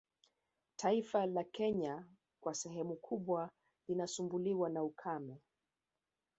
Taifa la Kenya kwa sehemu kubwa linasumbuliwa na ukame